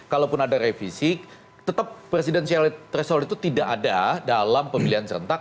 kalaupun ada revisi tetap presiden charles tresol itu tidak ada dalam pemilihan serentak